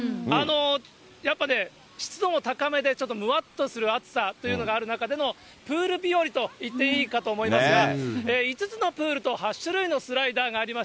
やっぱね、湿度も高めで、ちょっとむわっとする暑さというのがある中でのプール日和と言っていいかと思いますが、５つのプールと８種類のスライダーがあります。